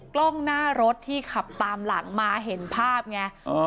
กล้องหน้ารถที่ขับตามหลังมาเห็นภาพไง